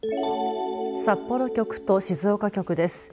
札幌局と静岡局です。